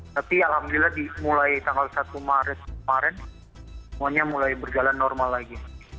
tapi alhamdulillah mulai tanggal satu maret kemarin semuanya mulai berjalan normal lagi